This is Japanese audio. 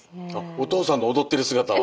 お父さんの踊ってる姿は？